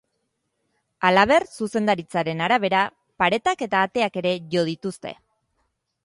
Halaber, zuzendaritzaren arabera, paretak eta ateak ere jo dituzte.